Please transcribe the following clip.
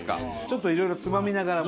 ちょっといろいろつまみながら。